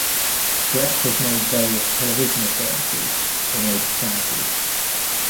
Brett has made various television appearances in aid of charity.